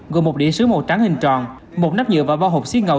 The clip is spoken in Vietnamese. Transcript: gồm một đĩa sứ màu trắng hình tròn một nắp nhựa và bao hộp xiên ngầu